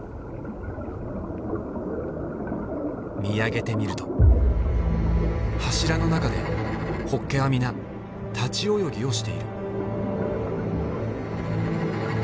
見上げてみると柱の中でホッケは皆立ち泳ぎをしている。